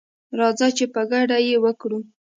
راځه چي په ګډه یې وکړو